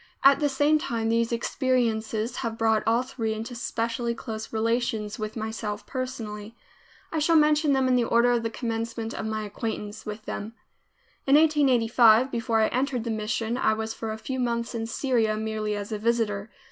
At the same time these experiences have brought all three into specially close relations with myself personally. I shall mention them in the order of the commencement of my acquaintance with them. In 1885, before I entered the mission, I was for a few months in Syria, merely as a visitor.